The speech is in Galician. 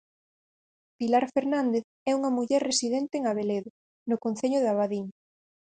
Pilar Fernández é unha muller residente en Abeledo, no Concello de Abadín.